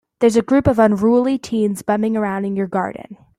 There's a group of unruly teens bumming around in your garden.